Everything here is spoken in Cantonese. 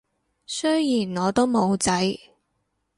雖然我都冇仔